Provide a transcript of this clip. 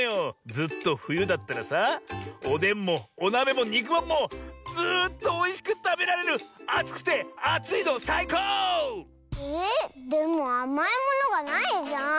ずっとふゆだったらさおでんもおなべもにくまんもずっとおいしくたべられるあつくてあついのさいこう！えっでもあまいものがないじゃん。